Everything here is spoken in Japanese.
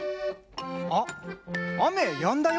あっあめやんだよ。